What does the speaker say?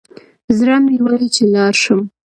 زړه مي وايي چي لاړ شم